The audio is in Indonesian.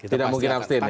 tidak mungkin abstain ya